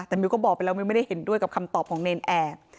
แต่มิวก็บอกไปแล้วมิวไม่ได้เห็นด้วยกับคำตอบของเนรนแอร์